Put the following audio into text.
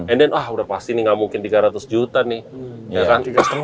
and then wah udah pasti nih gak mungkin tiga ratus juta nih